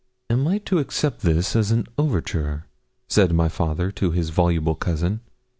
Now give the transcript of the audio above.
'Am I to accept this as an overture?' said my father to his voluble cousin.